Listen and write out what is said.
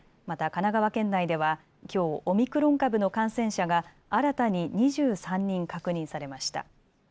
また神奈川県内ではきょうオミクロン株の感染者が新たに２３人確認されました。